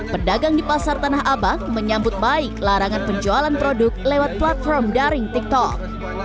pedagang di pasar tanah abang menyambut baik larangan penjualan produk lewat platform daring tiktok